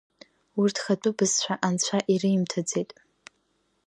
Урҭ хатәы бызшәа Анцәа иримҭаӡеит.